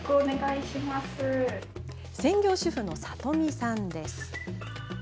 専業主婦のさとみさんです。